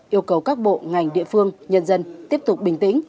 yêu cầu các bộ ngành địa phương nhân dân tiếp tục bình tĩnh